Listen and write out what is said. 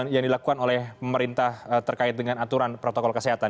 yang dilakukan oleh pemerintah terkait dengan aturan protokol kesehatan